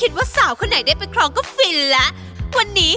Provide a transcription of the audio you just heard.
หัวใหญ่มากเลย